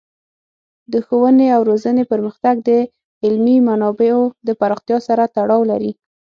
د ښوونې او روزنې پرمختګ د علمي منابعو د پراختیا سره تړاو لري.